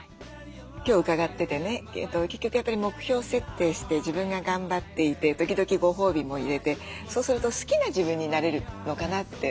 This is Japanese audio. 今日伺っててね結局やっぱり目標設定して自分が頑張っていて時々ご褒美も入れてそうすると好きな自分になれるのかなって。